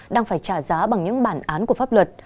đang phải trả giá bằng những bản án của pháp luật